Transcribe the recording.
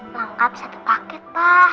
lengkap satu paket pak